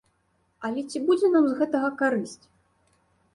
Але ці будзе нам з гэтага карысць?